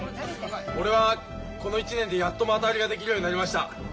俺はこの１年でやっと股割りができるようになりました。